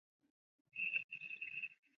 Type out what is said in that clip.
使用贫穷门槛会有很多问题。